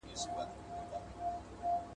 له سړي څخه یې پیل کړلې پوښتني